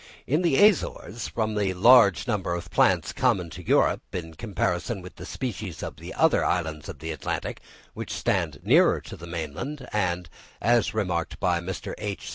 In the Azores, from the large number of plants common to Europe, in comparison with the species on the other islands of the Atlantic, which stand nearer to the mainland, and (as remarked by Mr. H.